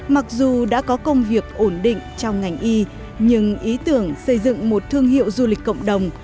mặc dù đã có công việc ổn định trong ngành y nhưng ý tưởng xây dựng một thương hiệu du lịch cộng đồng